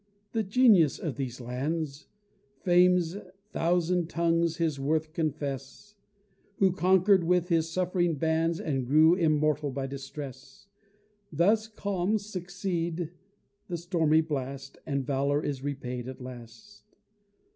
the Genius of these lands Fame's thousand tongues his worth confess, Who conquer'd with his suffering bands, And grew immortal by distress: Thus calms succeed the stormy blast, And valor is repaid at last.